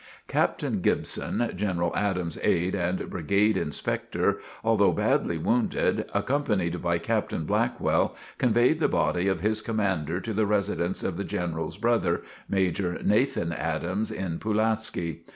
Captain Gibson, General Adams' aide and Brigade Inspector, although badly wounded, accompanied by Captain Blackwell, conveyed the body of his commander to the residence of the General's brother, Major Nathan Adams, in Pulaski.